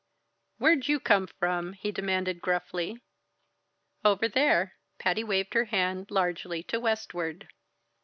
"Where'd you come from?" he demanded gruffly. "Over there." Patty waved her hand largely to westward.